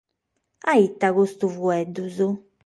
A ite custos faeddos?